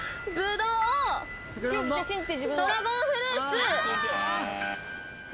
ドラゴンフルーツ。